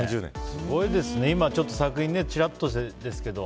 すごいですね今、作品をちらっとですけど。